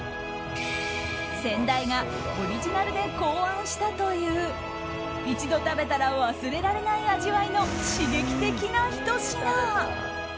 先代がオリジナルで考案したという一度食べたら忘れられない味わいの刺激的なひと品。